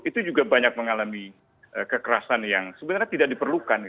itu juga banyak mengalami kekerasan yang sebenarnya tidak diperlukan